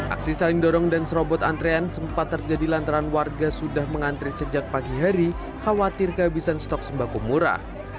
aksi saling dorong dan serobot antrean sempat terjadi lantaran warga sudah mengantri sejak pagi hari khawatir kehabisan stok sembako murah